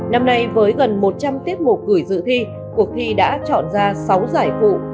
năm nay với gần một trăm linh tiết mục gửi dự thi cuộc thi đã chọn ra sáu giải phụ